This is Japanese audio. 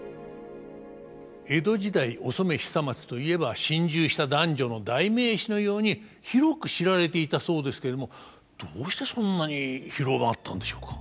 江戸時代お染久松といえば心中した男女の代名詞のように広く知られていたそうですけれどもどうしてそんなに広まったんでしょうか。